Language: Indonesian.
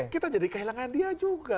kita jadi kehilangan dia juga